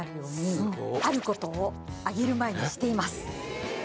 あることを揚げる前にしています。